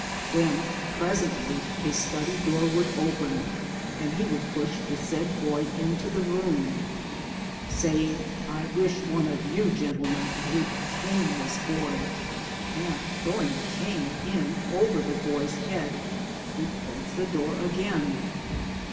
Then presently his study door would open, and he would push the said boy into the room, saying. 20 MY DAYS AND DREAMS *' I wish one of you gentlemen would cane this boy," and throwing a cane in over the boy's head would close the door again.